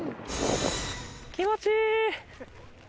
気持ちいい！